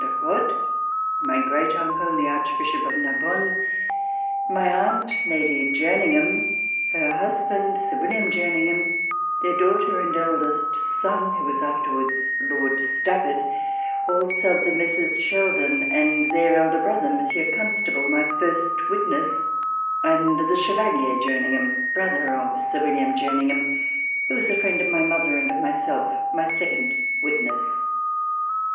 de Rothe, my great uncle, the Archbishop of Narbonne, my aunt, Lady Jerningham, her husband, Sir William Jerningham, their daughter and eldest son, who was afterwards Lord Stafford; also of the Messieurs Sheldon, and their elder brother Monsieur Constable, my first witness, and the Chevalier Jerningham, brother of Sir William Jerningham, who was a friend of my mother and of myself, my second witness.